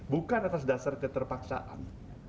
bukan atas dasar keterpaksaan